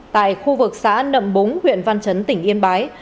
tại khu vực xã nậm búng huyện văn chấn tỉnh yên bái